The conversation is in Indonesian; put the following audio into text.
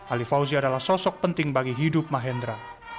ali fauzi adalah sosok penting bagi hidup mahendra